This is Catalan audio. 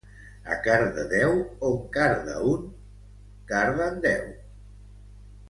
A Cardedeu, on carda un, carden deu.